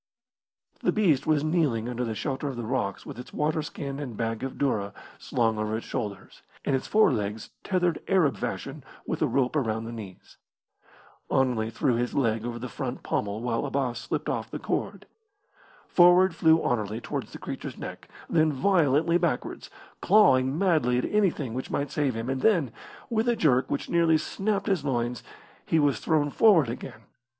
The beast was kneeling under the shelter of the rocks with its waterskin and bag of doora slung over its shoulders, and its forelegs tethered Arab fashion with a rope around the knees. Anerley threw his leg over the front pommel while Abbas slipped off the cord. Forward flew Anerley towards the creature's neck, then violently backwards, clawing madly at anything which might save him, and then, with a jerk which nearly snapped his loins, he was thrown forward again.